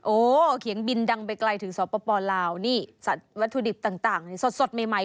เขียงบินดังไปไกลถึงสปลาวนี่สัตว์วัตถุดิบต่างนี่สดใหม่